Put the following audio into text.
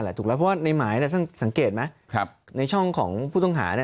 ถูกแล้วเพราะว่าในหมายสังเกตไหมในช่องของผู้ต้องหา